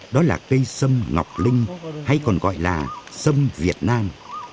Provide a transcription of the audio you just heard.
đó là cây sâm ngọc linh hay còn gọi là sâm việt nam